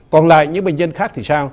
còn lại những bệnh nhân khác thì sao